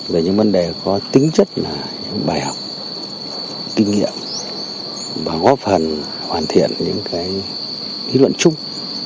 về những vấn đề có tính chất là những bài học kinh nghiệm và góp phần hoàn thiện những lý luận chung